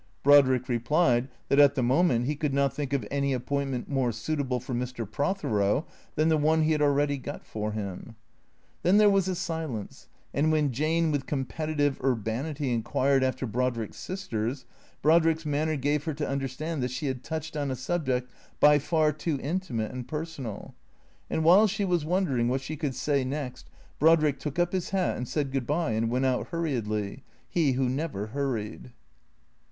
Brodrick replied, that, at the moment, he could not think of any appointment more suit able for Mr. Prothero than the one he had already got for him. Then there was a silence, and when Jane with competitive ur banity inquired after Brodrick's sisters, Brodrick's manner gave her to understand that she had touched on a subject by far too intimate and personal. And while she was wondering what she could say next Brodrick took up his hat and said good bye and went out hurriedly, he who never hurried.